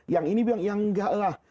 yang ini bilang ya enggak lah